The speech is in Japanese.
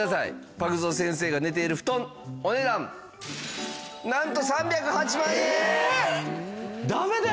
パグゾウ先生が寝ている布団お値段なんと３０８万円！